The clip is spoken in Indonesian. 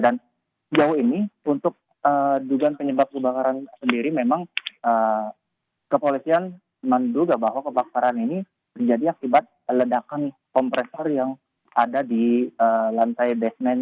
dan jauh ini untuk dugaan penyebab kebakaran sendiri memang kepolisian menduga bahwa kebakaran ini menjadi akibat ledakan kompresor yang ada di lantai desmen